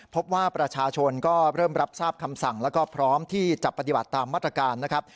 พบว่าประชาชนก็เริ่มรับทราบคำสั่งแล้วก็พร้อมที่จะปฏิบัติตามมาตรการนะครับ